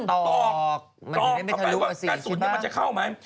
ตอบเข้าไปว่ากระสุนมันจะเข้าไหม